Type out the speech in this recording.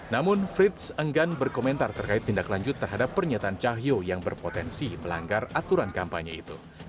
namun frits enggan berkomentar terkait tindak lanjut terhadap pernyataan cahyo yang berpotensi melanggar aturan kampanye itu